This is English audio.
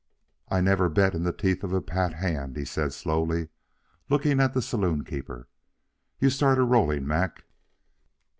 "I never bet in the teeth of a pat hand," he said slowly, looking at the saloon keeper. "You all start her rolling, Mac."